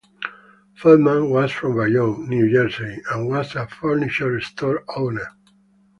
Feldman was from Bayonne, New Jersey and was a furniture-store owner.